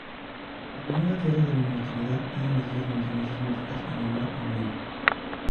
La primera tierra de la inmortalidad eran islas montañosas míticas en el Mar Amarillo.